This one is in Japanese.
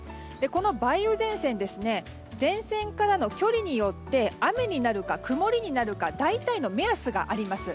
この梅雨前線は前線からの距離によって雨になるか曇りになるか大体の目安があります。